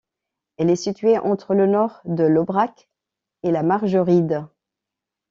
Elle est située entre le nord de l'Aubrac et la Margeride.